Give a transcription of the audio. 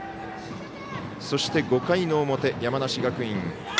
そして５回の表、山梨学院。